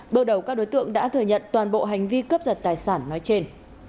bước đầu các đối tượng đã thừa nhận toàn bộ hành vi cướp giật tài sản nói trên